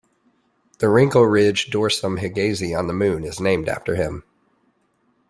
The wrinkle ridge Dorsum Higazy on the Moon is named after him.